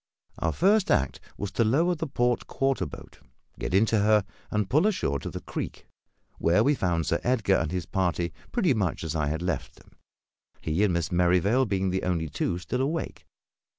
Our first act was to lower the port quarter boat, get into her, and pull ashore to the creek, where we found Sir Edgar and his party pretty much as I had left them; he and Miss Merrivale being the only two still awake.